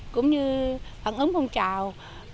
cũng như phản ứng không trào